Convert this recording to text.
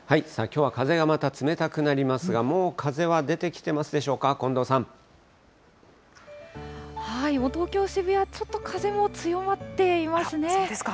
きょうはまた風が冷たくなりますが、もう風は出てきてますで東京・渋谷、ちょっと風も強まっていますね。